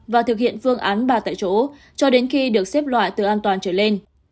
và thực hiện phương án ba tại chỗ cho đến khi được xếp loại từ an toàn trở lên